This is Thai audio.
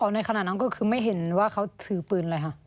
ในขณะนั้นก็คือไม่เห็นว่าเขาถือปืนเลยค่ะ